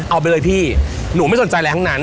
เอาไปเลยพี่หนูไม่สนใจอะไรทั้งนั้น